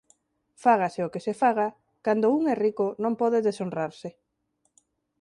Fágase o que se faga, cando un é rico non pode deshonrarse.